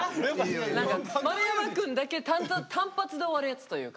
何か丸山くんだけ単発で終わるやつというか。